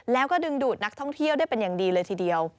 แล้วก็ดึงดูดนักท่องเที่ยวได้เป็นอย่างดีเลยทีเดียว